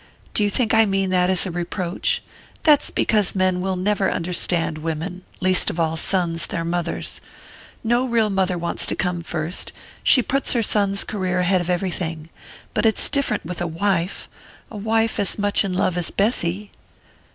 "Do you think I mean that as a reproach? That's because men will never understand women least of all, sons their mothers. No real mother wants to come first; she puts her son's career ahead of everything. But it's different with a wife and a wife as much in love as Bessy."